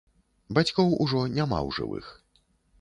Бацькоў ужо няма ў жывых.